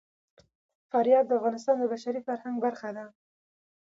فاریاب د افغانستان د بشري فرهنګ برخه ده.